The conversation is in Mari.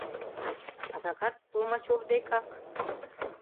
Адакат Толмачев декак!..